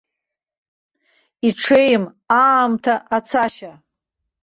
Иҽеим аамҭа ацашьа!